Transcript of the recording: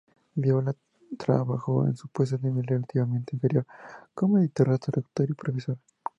Viola trabajó en puestos de nivel relativamente inferior como editora, traductora y profesora.